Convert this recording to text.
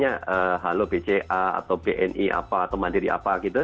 jadi kalau bedanya ada nyebut misalnya halo bca atau bni apa atau mandiri apa